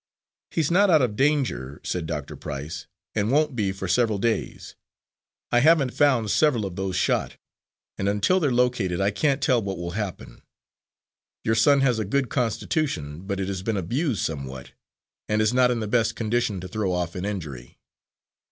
"He's not out of danger," said Doctor Price, "and won't be for several days. I haven't found several of those shot, and until they're located I can't tell what will happen. Your son has a good constitution, but it has been abused somewhat and is not in the best condition to throw off an injury."